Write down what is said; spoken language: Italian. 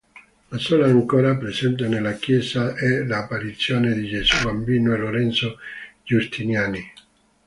La sola ancora presente nella chiesa è l"'Apparizione di Gesù Bambino a Lorenzo Giustiniani".